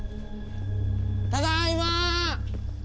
ただいま！